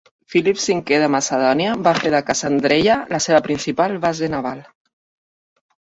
Philip V de Macedònia va fer de Casandreia la seva principal base naval.